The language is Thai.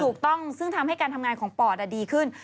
ถูกต้องซึ่งทำให้การทำงานของปอดดีขึ้น